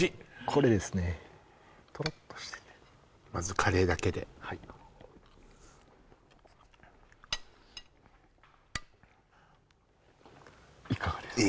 これですねトロッとしててまずカレーだけではいいかがです？